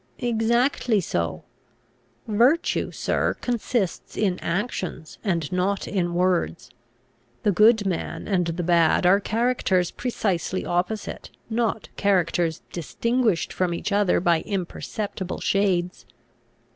"Exactly so. Virtue, sir, consists in actions, and not in words. The good man and the bad are characters precisely opposite, not characters distinguished from each other by imperceptible shades.